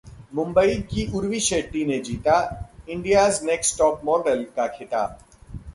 मुंबई की उर्वी शेट्टी ने जीता 'इंडियाज नेक्स टॉप मॉडल' का खिताब